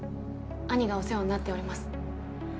兄がお世話になっております